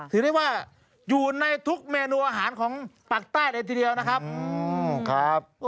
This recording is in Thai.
ถือได้ว่าอยู่ในทุกเมนูอาหารของปากใต้เลยทีเดียวนะครับ